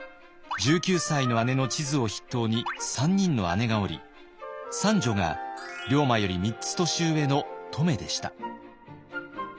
１９歳の姉の千鶴を筆頭に３人の姉がおり三女が龍馬より３つ年上の乙女でした。